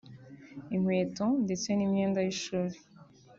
inkweto ndetse n’imyenda y’ishuri